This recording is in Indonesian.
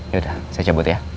yaudah saya cabut ya